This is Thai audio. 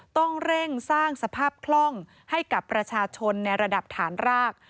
ต้องเร่งสร้างสภาพคล่องให้กับประชาชนในระดับฐานราก